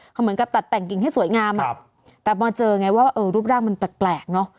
คือเหมือนกับตัดแต่งกิ่งให้สวยงามแต่พอเจอไงว่าเออรูปร่างมันแปลกเนอะ